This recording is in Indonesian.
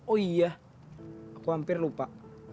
oh iya aku hampir lupa